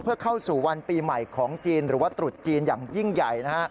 เพื่อเข้าสู่วันปีใหม่ของจีนหรือว่าตรุษจีนอย่างยิ่งใหญ่นะฮะ